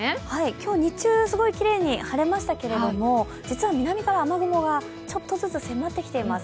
今日、日中すごいきれいに晴れましたけども実は南から雨雲がちょっとずつ迫ってきています。